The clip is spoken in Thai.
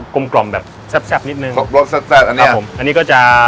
กลมกล่อมแบบแซ่บแซ่บนิดหนึ่งรสแซ่บแซ่บอันเนี้ยครับผมอันนี้ก็จะ